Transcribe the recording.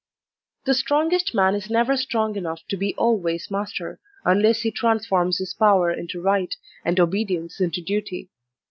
The strongest man is never strong enough to be always master, unless he transforms his power into right, and obedience into duty.